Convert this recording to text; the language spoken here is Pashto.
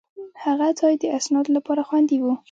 هغه ځای د اسنادو لپاره خوندي و.